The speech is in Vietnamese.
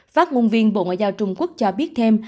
phát ngôn viên bộ ngoại giao trung quốc cho biết thêm